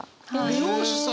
理容師さん！